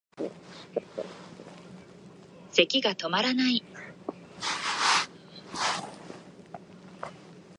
咳がとまらない